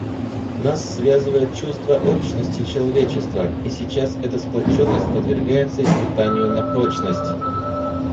Нас связывает чувство общности человечества, и сейчас эта сплоченность подвергается испытанию на прочность.